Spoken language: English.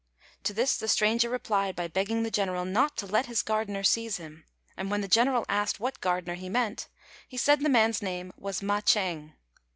To this the stranger replied by begging the general not to let his gardener seize him; and when the general asked what gardener he meant, he said the man's name was Ma ch'êng.